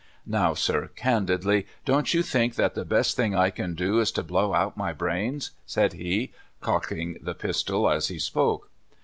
" Now, sir, candidly, don't you think that the best thing I can do is to blow out my brains?" said he, cocking the pistol as he spoke.